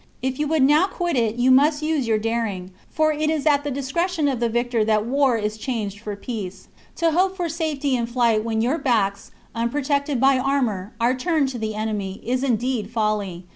If you would now quit it you must use your daring, for it is at the discretion of the victor that war is changed for peace. To hope for safety in flight, when your backs, unprotected by armour, are turned to the ^ enemy, is indeed folly.